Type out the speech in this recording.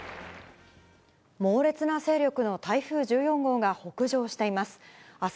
猛烈な勢力の台風１４号が北上しています。